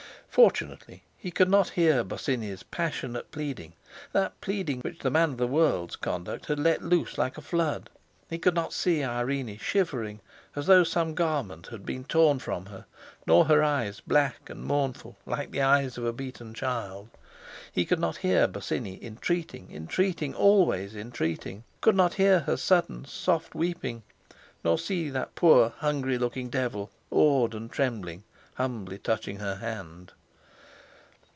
Fortunately he could not hear Bosinney's passionate pleading—that pleading which the man of the world's conduct had let loose like a flood; he could not see Irene shivering, as though some garment had been torn from her, nor her eyes, black and mournful, like the eyes of a beaten child. He could not hear Bosinney entreating, entreating, always entreating; could not hear her sudden, soft weeping, nor see that poor, hungry looking devil, awed and trembling, humbly touching her hand.